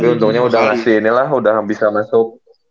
untungnya udah ngasih ini lah udah bisa masuk